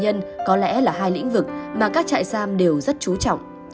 nhân có lẽ là hai lĩnh vực mà các trại giam đều rất trú trọng